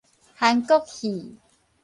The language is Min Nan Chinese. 韓國戲